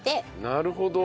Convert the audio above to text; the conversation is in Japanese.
なるほど。